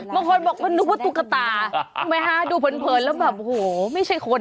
บางคนบอกว่าตุ๊กตาดูเผินแล้วแบบโอ้โฮไม่ใช่คน